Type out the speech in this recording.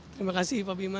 terima kasih pak bima